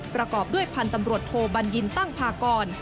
ประกอบด้วยพันธุ์ตำรวจโทบัญญินตั้งพากร